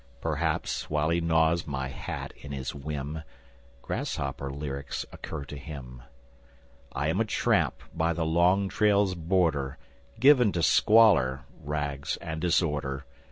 Perhaps, while he gnaws my hat in his whim, Grasshopper lyrics occur to him. I am a tramp by the long trail's border, Given to squalor, rags and disorder.